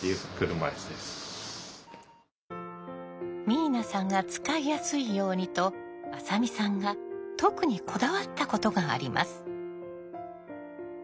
明奈さんが使いやすいようにと浅見さんが特にこだわったことがあります。